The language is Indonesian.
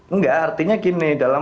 enggak artinya gini dalam